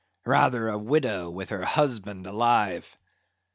—rather a widow with her husband alive!